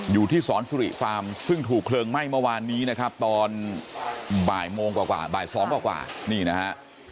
อยู่ที่สอนสุริฟาร์มซึ่งถูกเพลิงไหม้เมื่อวานนี้นะครับตอนบ่ายโมงกว่าบ่ายสองกว่านี่นะฮะ